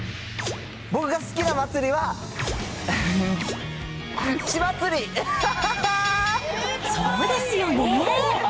僕が好きな祭りは、血祭り、そうですよね。